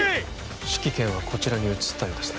指揮権はこちらに移ったようですね